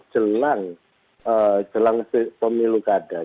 jelang pemilu kadang